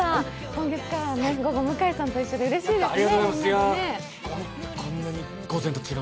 今月からは午後、向井さんと一緒でうれしいですね。